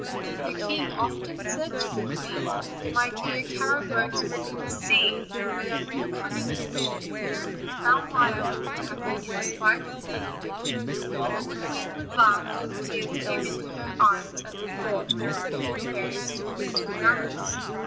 The king often said to the queen: "My dear, Carabosse will be de ceived; we are more cunning than she is; our Maia will be happy in spite of her prediction." And the queen would laugh till tears came into her eyes, at the thought of the wicked fairy's defeated malice.